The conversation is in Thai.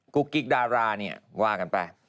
กุ๊กกิ๊กดาราเนี่ยว่ากันไป